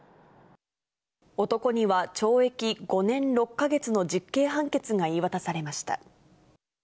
男には懲役５年６か月の実刑判決が言い渡されました。